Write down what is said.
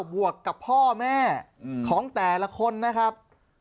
บวกกับพ่อแม่ของแต่ละคนนะครับ